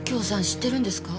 知ってるんですか？